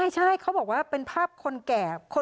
ใช่เขาบอกว่าเป็นภาพคนแก่